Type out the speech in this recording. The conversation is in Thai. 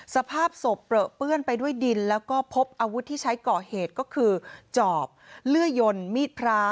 สภาพศพเปลือเปื้อนไปด้วยดินแล้วก็พบอาวุธที่ใช้ก่อเหตุก็คือจอบเลื่อยยนมีดพระ